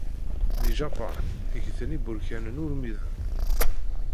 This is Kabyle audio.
Di Japan, ggten ibuṛkanen urmiden.